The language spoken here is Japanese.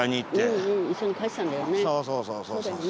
そうそうそうそう。